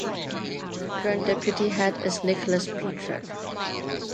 The current Deputy Head is Nicholas Pietrek.